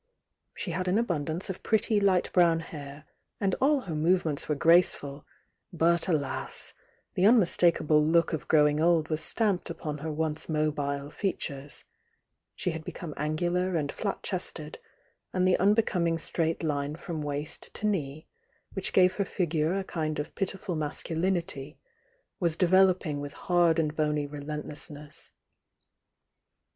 She had an abundance of pretty light brown hair, and all her movements were grace ful, but aJasI— the unmistakable look of growing old was stamped upon her once mobile features,— she had become angular and flat chested, and the unbecoming straight line from waist to knee, which gave her figure a kmd of pitiful masculinity, was developing with hard and bony relentlessness.